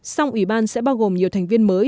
song ủy ban sẽ bao gồm nhiều thành viên mới